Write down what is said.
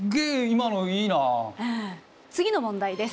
次の問題です。